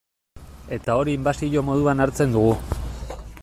Eta hori inbasio moduan hartzen dugu.